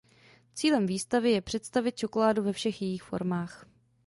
Cílem výstavy je představit čokoládu ve všech jejích formách.